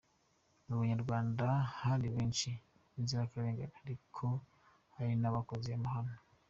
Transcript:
Mu banyarwanda hari benshi b’inzirakarengane, ariko hari n’abakoze amahano.